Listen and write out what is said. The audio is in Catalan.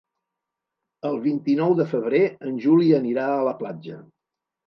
El vint-i-nou de febrer en Juli anirà a la platja.